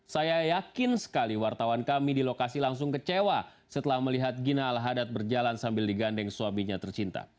saya yakin sekali wartawan kami di lokasi langsung kecewa setelah melihat gina al hadad berjalan sambil digandeng suaminya tercinta